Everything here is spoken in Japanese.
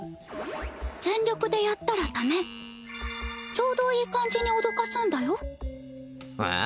全力でやったらダメちょうどいい感じに脅かすんだよえ